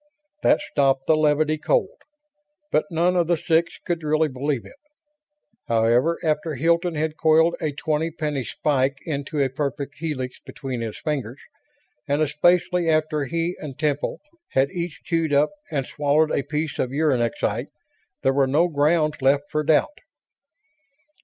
That stopped the levity, cold, but none of the six could really believe it. However, after Hilton had coiled a twenty penny spike into a perfect helix between his fingers, and especially after he and Temple had each chewed up and swallowed a piece of uranexite, there were no grounds left for doubt.